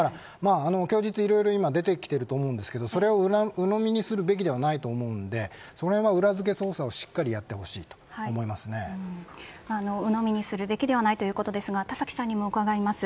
供述いろいろ出てきていると思いますがうのみにするべきではないと思うのでそれは裏付け捜査をしっかりうのみにするべきではないということですが田崎さんにも伺います。